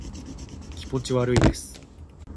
気持ち悪いです